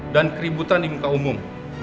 dan keributan di muka umum